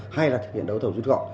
hay là thực hiện đấu thầu rút gọn